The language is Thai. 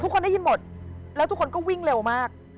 ทุกคนได้ยินหมดแล้วทุกคนก็วิ่งเร็วมาก